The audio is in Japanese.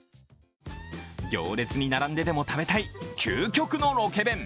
行列に並んででも食べたい究極のロケ弁。